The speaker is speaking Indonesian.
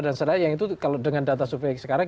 dan setelah itu kalau dengan data survei sekarang